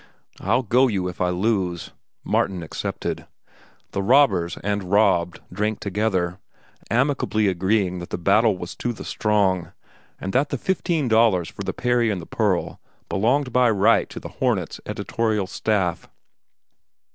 "I'll go you if I lose," Martin accepted. And robbers and robbed drank together, amicably agreeing that the battle was to the strong, and that the fifteen dollars for "The Peri and the Pearl" belonged by right to The Hornet's editorial staff.